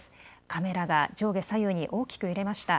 カメラが上下左右に大きく揺れました。